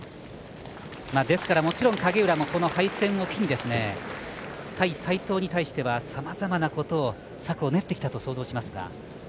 ですから、もちろん影浦も敗戦を機に対斉藤に対してはさまざまなことを策を練ってきたと想像しますが。